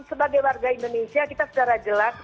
sebagai warga indonesia kita sedara jalan dengan